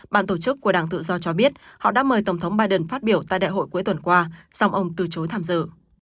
bàn tổ chức của đảng tự do cho biết họ đã mời tổng thống biden phát biểu tại đại hội cuối tuần qua song ông từ chối tham dự